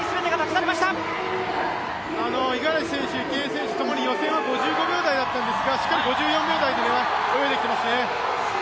五十嵐選手、池江選手ともに５５秒台だったんですがしっかり５４秒台で泳いできていますね。